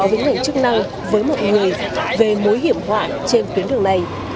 báo viễn ngành chức năng với mọi người về mối hiểm họa trên tuyến đường này